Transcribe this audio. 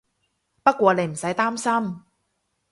不過你唔使擔心